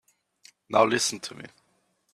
Now listen to me.